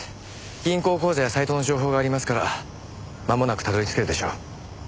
銀行口座やサイトの情報がありますからまもなくたどり着けるでしょう。